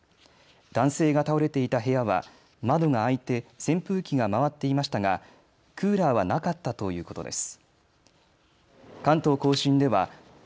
男性が倒れていた部屋は窓が開いて扇風機が回っていましたがクーラーはなかったということです。